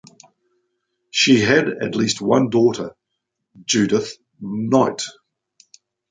She had at least one daughter, Judyth Knight.